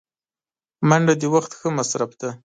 منډه د وخت ښه مصرف دی